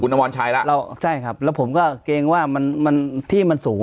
อมรชัยแล้วใช่ครับแล้วผมก็เกรงว่ามันมันที่มันสูง